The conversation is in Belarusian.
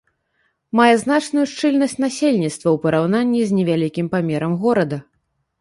Мае значную шчыльнасць насельніцтва, у параўнанні з невялікім памерам горада.